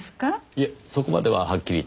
いえそこまでははっきりとは。